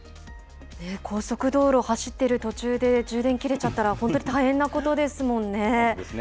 高速道路走っている途中で充電切れちゃったら、本当に大変なですね。